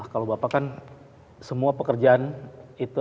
kalau bapak kan semua pekerjaan itu